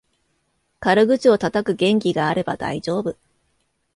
軽口をたたく元気があれば大丈夫